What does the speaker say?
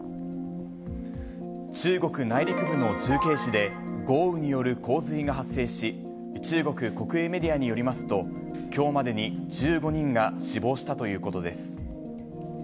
中国内陸部の重慶市で、豪雨による洪水が発生し、中国国営メディアによりますと、きょうまでに１５人が死亡したということです。